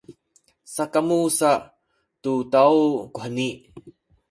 sakamu sa tu taw kuheni.